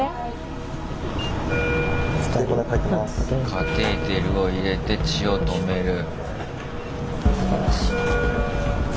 カテーテルを入れて血を止める。